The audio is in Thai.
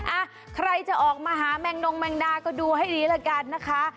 อ่ะใครจะออกมาหาแมงนงแมงดาก็ดูให้ดีละกันนะคะ